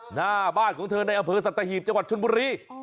หน้าบ้านของเธอในอำเภอสัตหีบจังหวัดชนบุรี